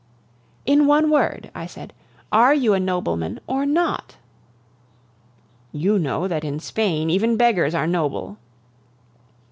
"In one word," I said, "are you a nobleman or not?" "You know that in Spain even beggars are noble."